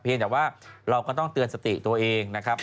แต่ว่าเราก็ต้องเตือนสติตัวเองนะครับ